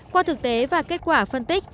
qua thực tế và kết quả phân tích